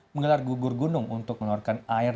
mengelar gugur gunung untuk menuarkan air